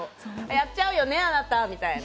「やっちゃうよねあなた」みたいな。